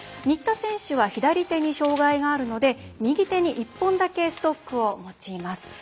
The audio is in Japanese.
新田選手は左手に障がいがあるので右手に１本だけストックを持ちます。